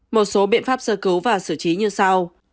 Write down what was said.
một số biện pháp sơ cứu và xử trí như sau